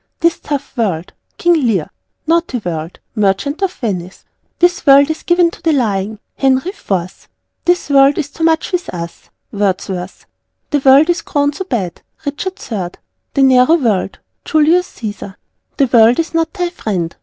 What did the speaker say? "This tough World." King Lear. "Naughty World." Merchant of Venice. "This World is given to Lying." Henry IV. "The World is too much with us." Wordsworth. "The World is grown so bad." Richard III. "The narrow World." Julius Cæsar. "The World is not thy friend."